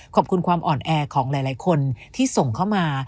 ขอบคุณความอ่อนแอของหลายคนที่ส่งเข้ามา